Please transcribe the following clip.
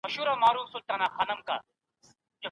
کشکي هغه خو تللی وای .